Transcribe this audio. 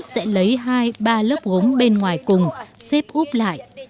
tiếp theo phía ngoài người ta phủ một lớp gốm bên ngoài cùng xếp úp lại